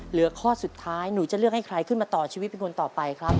เหลือข้อสุดท้ายหนูจะเลือกให้ใครขึ้นมาต่อชีวิตเป็นคนต่อไปครับ